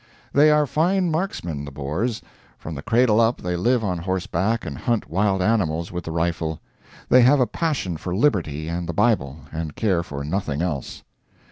They are fine marksmen, the Boers. From the cradle up, they live on horseback and hunt wild animals with the rifle. They have a passion for liberty and the Bible, and care for nothing else.